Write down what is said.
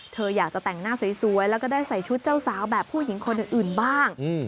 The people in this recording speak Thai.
เธออยากจะแต่งหน้าสวยแล้วก็ได้ใส่ชุดเจ้าสาวแบบผู้หญิงคนอื่นบ้าง